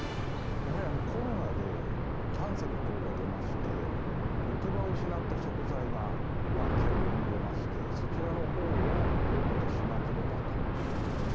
やはりコロナでキャンセル等が出まして、行き場を失った食材が大量に出まして、そちらのほうをどうにかしなければと。